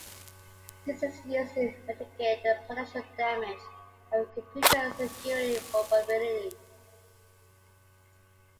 This is used to mitigate the potential damage of a computer security vulnerability.